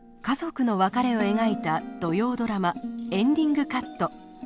家族の別れを描いた土曜ドラマ「エンディングカット」。